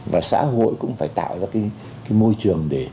và xã hội cũng phải tạo ra cái môi trường để